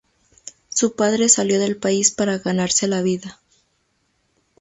Su padre salió del país para ganarse la vida.